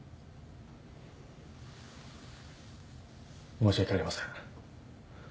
申し訳ありません。